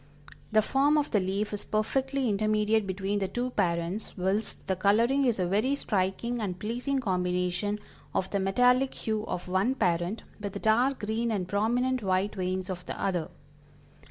The form of the leaf is perfectly intermediate between the two parents, whilst the coloring is a very striking and pleasing combination of the metallic hue of one parent, with the dark green and prominent white veins of the other."